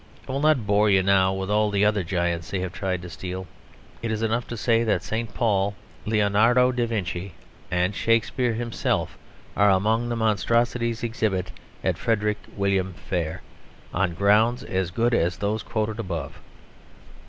I will not bore you now with all the other giants they have tried to steal; it is enough to say that St. Paul, Leonardo da Vinci, and Shakespeare himself are among the monstrosities exhibited at Frederick William fair on grounds as good as those quoted above.